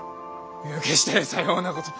決してさようなことは。